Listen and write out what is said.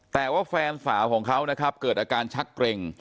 แต่ว่าแฟนสาวของเขานะครับเกิดอาการชักเกร็ง